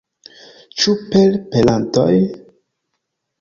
Ĉu per perantoj?